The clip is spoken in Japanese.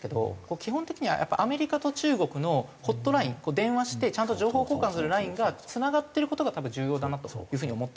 基本的にはやっぱアメリカと中国のホットライン電話してちゃんと情報交換するラインがつながってる事が多分重要だなという風に思ってて。